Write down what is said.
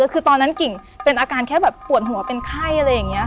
คือตอนนั้นกิ่งเป็นอาการแค่แบบปวดหัวเป็นไข้อะไรอย่างนี้